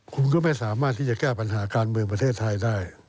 คุณก็ไม่สามารถที่จะแก้ปัญหาการเมืองประเทศไทยได้